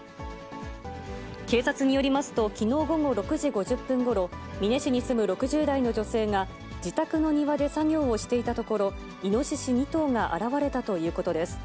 警察によりますと、きのう午後６時５０分ごろ、美祢市に住む６０代の女性が、自宅の庭で作業をしていたところ、イノシシ２頭が現れたということです。